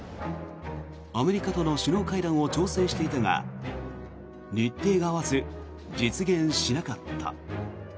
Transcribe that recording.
アメリカとの首脳会談を調整していたが日程が合わず、実現しなかった。